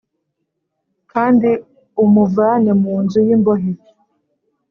kandi umuvane mu nzu y imbohe